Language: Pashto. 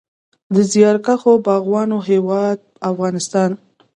د زیارکښو باغبانانو هیواد افغانستان.